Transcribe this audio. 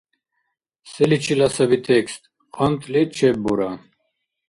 Селичила саби текст? КъантӀли чеббура